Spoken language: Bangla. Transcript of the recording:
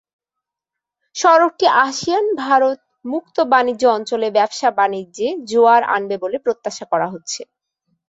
সড়কটি আসিয়ান-ভারত মুক্ত বাণিজ্য অঞ্চলে ব্যবসা-বাণিজ্যে জোয়ার আনবে বলে প্রত্যাশা করা হচ্ছে।